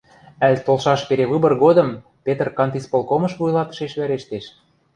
—...Ӓль толшаш перевыбор годым Петр кантисполкомыш вуйлатышеш вӓрештеш.